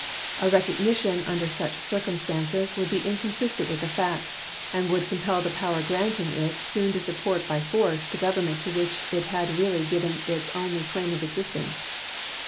A recognition under such circumstances would be inconsistent with the facts, and would compel the power granting it soon to support by force the government to which it had really given its only claim of existence.